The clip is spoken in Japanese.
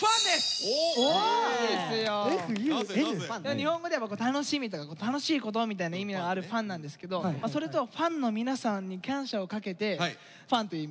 日本語では楽しみとか楽しい言葉みたいな意味のある「ＦＵＮ」なんですけどそれとファンの皆さんに感謝をかけて「ＦＵＮ」という意味です。